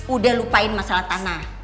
udah lupain masalah tanah